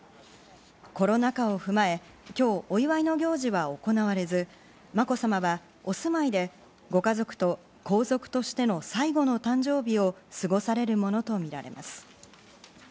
コロナ禍を踏まえ、今日お祝いの行事は行われず、まこさまはお住まいでご家族と皇族としての最後の誕生日を過ごされるものとみられます。